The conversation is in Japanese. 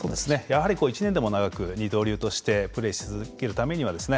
やはり１年でも長く二刀流としてプレーし続けるためにはですね